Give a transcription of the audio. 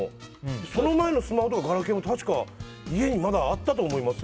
その前のスマホとかガラケーも確か家にまだあったと思いますよ。